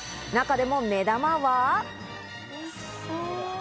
中でも目玉は。